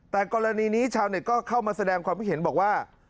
แต่กรณีนี้ชาวเน็ตก็เข้ามาแสดงความคิดเห็นบอกว่า